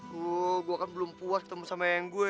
tuh gua kan belum puas ketemu sama yang gue